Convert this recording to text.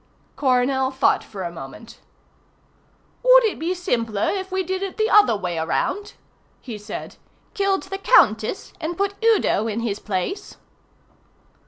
Coronel thought for a moment. "Would it be simpler if we did it the other way around?" he said. "Killed the Countess and put Udo in his place."